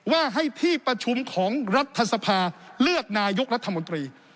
ว่าให้ที่ประชุมของรัฐสภาเลือกนายกรัฐมนตรี